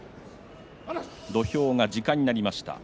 土俵が時間になりました。